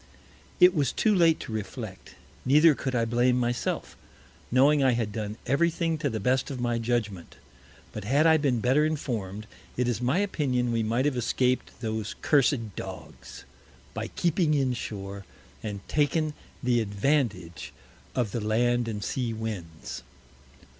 It was too late to reflect; neither could I blame myself, knowing I had done every thing to the best of my Judgment: But had I been better inform'd, it is my Opinion we might have escaped those cursed Dogs, by keeping in Shore, and taken the Advantage of the Land and Sea Winds.